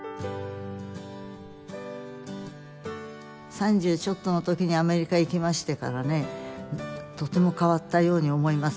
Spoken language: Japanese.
三十ちょっとの時にアメリカ行きましてからねとても変わったように思います